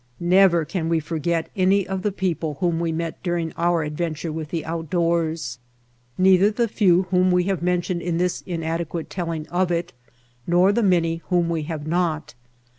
Never can we forget any of the people whom we met during our adventure with the outdoors, neither the few whom we have mentioned in this inadequate telling of it, nor the many whom we have not.